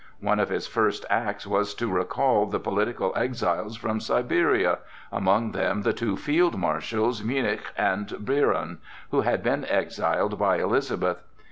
One of his first acts was to recall the political exiles from Siberia—among them the two fieldmarshals Münnich and Biron, who had been exiled by Elizabeth.